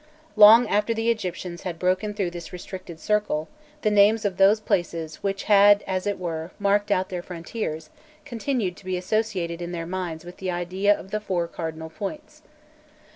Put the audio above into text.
Long after the Egyptians had broken through this restricted circle, the names of those places which had as it were marked out their frontiers, continued to be associated in their minds with the idea of the four cardinal points.